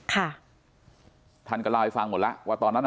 ค่ะท่านก็เล่าให้ฟังหมดแล้วว่าตอนนั้นอ่ะ